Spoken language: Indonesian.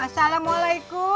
agani abang jelaskan ini ke